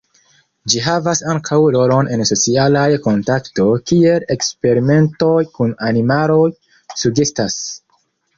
Ĝi havas ankaŭ rolon en socialaj kontakto, kiel eksperimentoj kun animaloj sugestas.